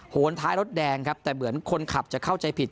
นท้ายรถแดงครับแต่เหมือนคนขับจะเข้าใจผิด